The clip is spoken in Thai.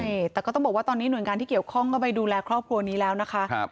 ใช่แต่ก็ต้องบอกว่าตอนนี้หน่วยงานที่เกี่ยวข้องก็ไปดูแลครอบครัวนี้แล้วนะคะ